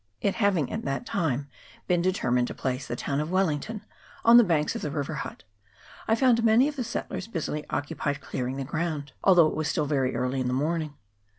It having at that time been determined to place the town of Wellington on the banks of the river Hutt, I found many of the settlers busily occupied clearing the ground, although it was still very early in the morning.